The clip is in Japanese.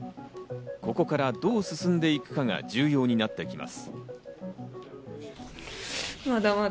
ここからどう進んでいくかが重要になっていきます。